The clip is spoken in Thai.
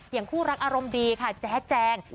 อย่างคู่รักอารมณ์ดีค่ะแจ๊แจง